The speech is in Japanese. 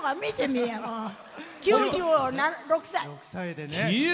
９６歳！